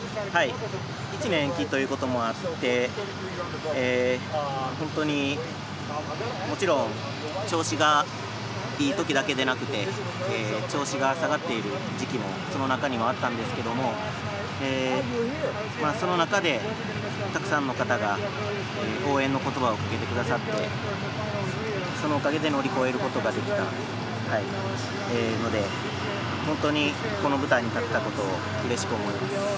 １年延期ということもあってもちろん調子がいいときだけでなくて調子が下がっている時期もその中にあったんですけどその中でたくさんの方が応援の言葉をかけてくださってそのおかげで乗り越えることができたので本当にこの舞台に立てたことをうれしく思います。